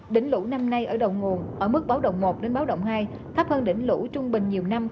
đỉnh lũ năm nay ở đầu nguồn ở mức báo động một đến báo động hai thấp hơn đỉnh lũ trung bình nhiều năm hai bốn m